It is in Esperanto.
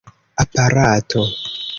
aparato